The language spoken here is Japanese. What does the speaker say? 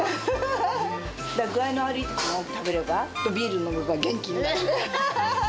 具合の悪いときでも食べれば、あとビール飲めば元気になる。